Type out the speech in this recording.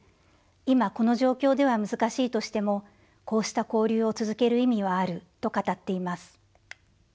今この状況では難しいとしてもこうした交流を続ける意味はある」と語っています。